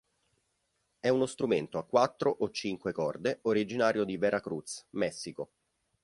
È uno strumento a quattro o cinque corde originario di Veracruz, Messico.